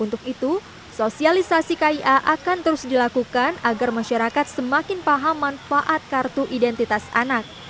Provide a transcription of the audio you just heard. untuk itu sosialisasi kia akan terus dilakukan agar masyarakat semakin paham manfaat kartu identitas anak